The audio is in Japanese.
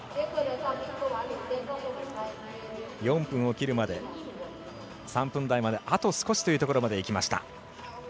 ４分を切るまで、３分台まであと少しというところまでいきました。